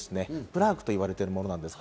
プラークと言われているものです。